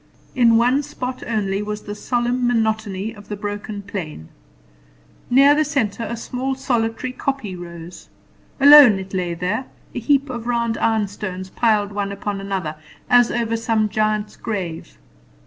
In one spot only was the solemn monotony of the plain broken. Near the centre a small solitary kopje rose. Alone it lay there, a heap of round ironstones piled one upon another, as over some giant's grave.